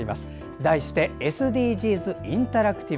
題してＳＤＧｓインタラクティブ。